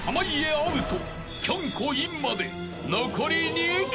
アウトきょんこインまで残り２曲］